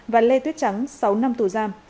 và lê tuyết trắng sáu năm tù giam